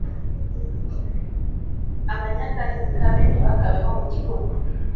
Abanyakarimi kabi ntibakabeho mu gihugu